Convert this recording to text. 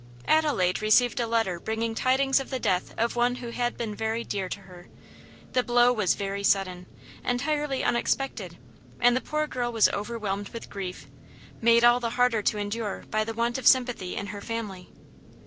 Adelaide received a letter bringing tidings of the death of one who had been very dear to her. The blow was very sudden entirely unexpected and the poor girl was overwhelmed with grief, made all the harder to endure by the want of sympathy in her family.